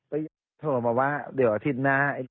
เฮ้ยแน็ตโทรมาว่าเดี๋ยวอาทิตย์นา